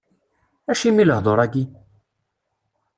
Acimi lehdur-agi?